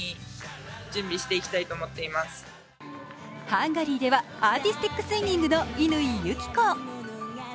ハンガリーではアーティスティックスイミングの乾友紀子。